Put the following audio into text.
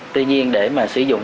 tuy nhiên để mà sử dụng